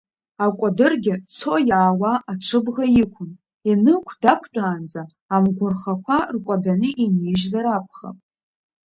Акәадыргьы цо-иаауа аҽыбӷа иқәын, Енықә дақәтәаанӡа амгәырхақәа ркәаданы инижьзар акәхап.